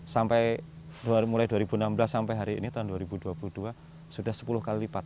sampai mulai dua ribu enam belas sampai hari ini tahun dua ribu dua puluh dua sudah sepuluh kali lipat